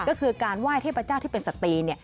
ก็คือการไหว้เทพเจ้าที่เป็นสตรี